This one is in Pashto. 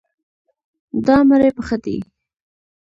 دا مړی پخه دی.